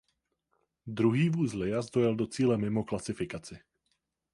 Druhý vůz Liaz dojel do cíle mimo klasifikaci.